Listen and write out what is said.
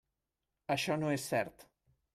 Això no és cert.